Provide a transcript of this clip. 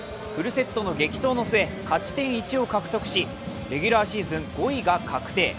フルセットの激闘の末、勝ち点１を獲得し、レギュラーシーズン５位が確定。